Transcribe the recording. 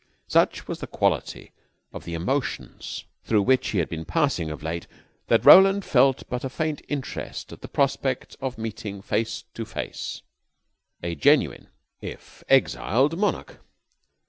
Such was the quality of the emotions through which he had been passing of late, that Roland felt but a faint interest at the prospect of meeting face to face a genuine if exiled monarch.